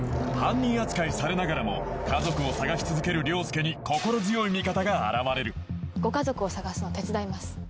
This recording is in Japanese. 犯人扱いされながらも家族を捜し続ける凌介に心強い味方が現れるご家族を捜すの手伝います。